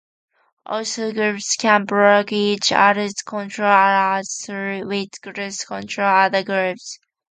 Also, groups can "block" each other's control arrows, through which groups control other groups.